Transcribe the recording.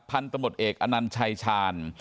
พันธุ์ตำรวจเอกอนันชายชาญ